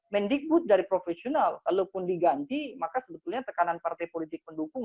mendikbud dari profesional kalaupun diganti maka sebetulnya tekanan partai politik pendukung